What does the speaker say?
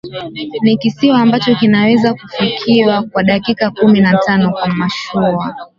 Ni kisiwa ambacho kinaweza kufikiwa kwa dakika kumi na tano kwa mashua